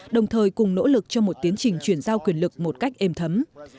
đồng thời cùng nỗ lực cho một tiến trình chuyển giao quyền lực một cách êm thấm